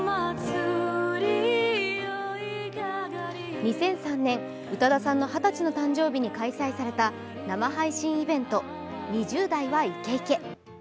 ２００３年、宇多田さんの二十歳の誕生日に開催された生配信イベント「２０代はイケイケ！」